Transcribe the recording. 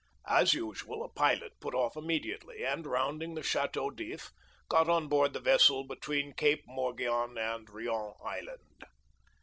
As usual, a pilot put off immediately, and rounding the Château d'If, got on board the vessel between Cape Morgiou and Rion island.